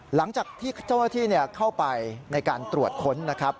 หลังจากที่เจ้าหน้าที่เข้าไปในการตรวจค้นนะครับ